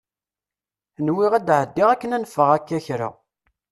Nwiɣ ad ɛeddiɣ akken ad neffeɣ akka kra.